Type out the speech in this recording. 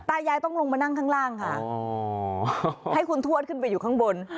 ยายต้องลงมานั่งข้างล่างค่ะให้คุณทวดขึ้นไปอยู่ข้างบน